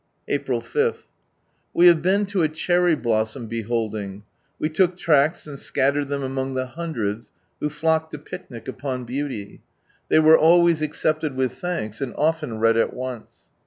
April J. — We have !>eeii to a cherry blossom beholding. We toolc tracts and scattered them among ihe hundreds who flocked to pic nic upon beaiiiy. They were always accepted with thanks, and often read at once.